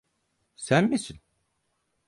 Sen misin?